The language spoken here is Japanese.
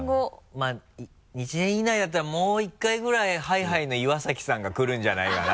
まぁ１年以内だったらもう１回ぐらいＨｉーＨｉの岩崎さんが来るんじゃないかな？